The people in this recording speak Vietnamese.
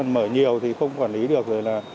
mở nhiều thì không quản lý được rồi là